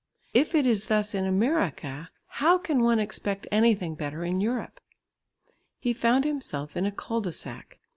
If it is thus in America, how can one expect anything better in Europe. He found himself in a cul de sac.